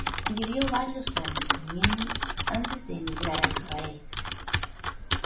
Vivió varios años en Múnich antes de emigrar a Israel.